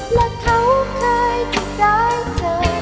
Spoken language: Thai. และเขาเคยที่ได้เจอ